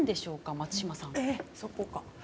松嶋さん。